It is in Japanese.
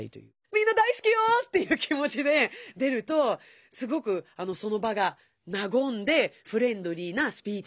「みんな大すきよ」っていう気持ちで出るとすごくその場がなごんでフレンドリーなスピーチになると思うよ。